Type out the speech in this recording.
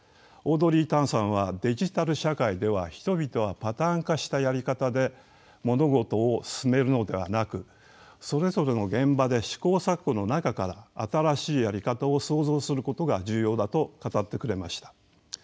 オードリー・タンさんはデジタル社会では人々はパターン化したやり方で物事を進めるのではなくそれぞれの現場で試行錯誤の中から新しいやり方を創造することが重要だと語ってくれました。